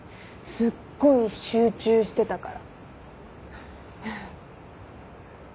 すっごい集中してたから。